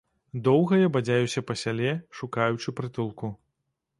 Доўга я бадзяюся па сяле, шукаючы прытулку.